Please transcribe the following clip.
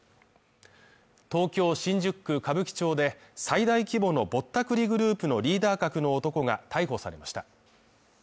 東京新宿歌舞伎町で最大規模のぼったくりグループのリーダー格の男が逮捕されました。